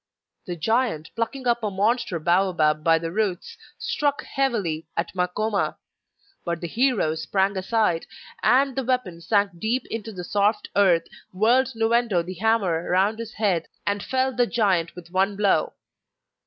The giant, plucking up a monster bao bab by the roots, struck heavily at Makoma; but the hero sprang aside, and as the weapon sank deep into the soft earth, whirled Nu endo the hammer round his head and felled the giant with one blow.